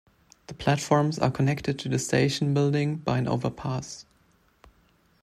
The platforms are connected to the station building by an overpass.